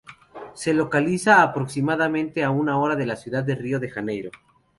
Se localiza a aproximadamente una hora de la ciudad de Río de Janeiro.